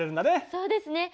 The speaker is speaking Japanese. そうですね。